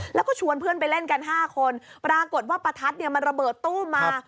แล้วก็ชวนเพื่อนไปเล่นกัน๕คนปรากฏว่าประทัดเนี่ยมันระเบิดตู้มมา